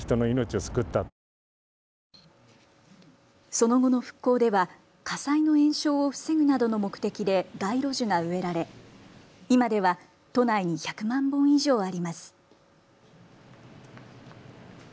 その後の復興では火災の延焼を防ぐなどの目的で街路樹が植えられ今では都内に１００万本以上あります。